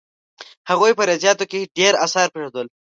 هغوی په ریاضیاتو کې ډېر اثار پرېښودل.